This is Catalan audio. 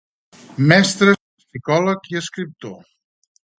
Mestre, psicòleg i escriptor.